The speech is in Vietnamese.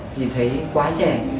thì thấy quá trẻ